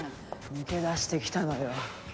抜け出してきたのよ。